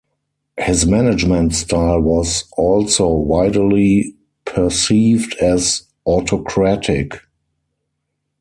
His management style was also widely perceived as autocratic.